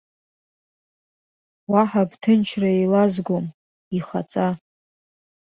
Уаҳа бҭынчра еилазгом, ихаҵа.